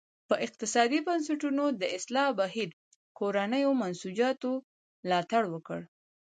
د اقتصادي بنسټونو د اصلاح بهیر کورنیو منسوجاتو ملاتړ وکړ.